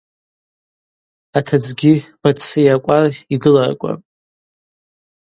Атыдзгьи Батсыйа кӏвар йгыларкӏвапӏ.